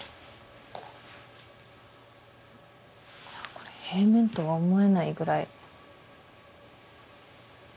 これ平面とは思えないぐらい。